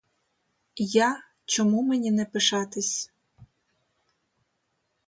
Я чому мені не пишатись?